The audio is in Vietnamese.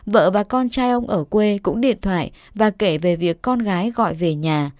vợ và con trai ông ở quê cũng điện thoại và kể về việc con gái gọi về nhà